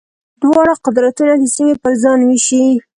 دواړه قدرتونه دې سیمې پر ځان وېشي.